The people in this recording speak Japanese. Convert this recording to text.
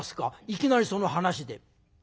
いきなりその話で？